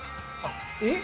えっ。